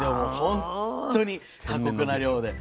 本当に過酷な漁で。